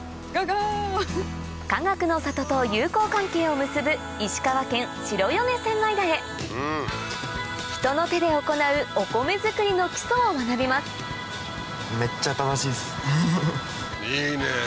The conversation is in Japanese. かがくの里と友好関係を結ぶ石川県白米千枚田へ人の手で行うお米づくりの基礎を学びますいいね。